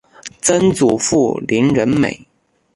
曾祖父林仁美。